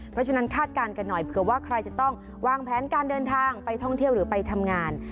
เพราะฉะนั้นคาดการณ์กันหน่อยเผื่อว่าใครจะต้องวางแผนการเดินทางไปท่องเที่ยวหรือไปทำงาน